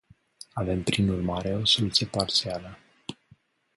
Avem, prin urmare, o soluție parțială.